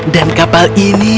dan kapal ini